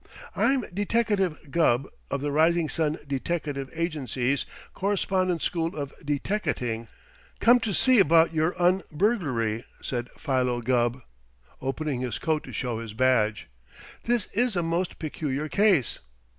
"I'm Deteckative Gubb, of the Rising Sun Deteckative Agency's Correspondence School of Deteckating, come to see about your un burglary," said Philo Gubb, opening his coat to show his badge. "This is a most peculiar case."